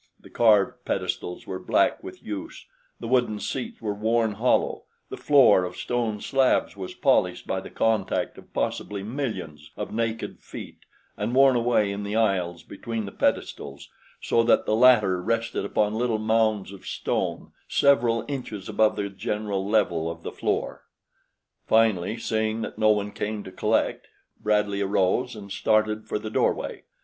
The carved pedestals were black with use, the wooden seats were worn hollow, the floor of stone slabs was polished by the contact of possibly millions of naked feet and worn away in the aisles between the pedestals so that the latter rested upon little mounds of stone several inches above the general level of the floor. Finally, seeing that no one came to collect, Bradley arose and started for the doorway.